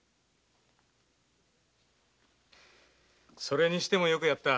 それにしてもよくやった。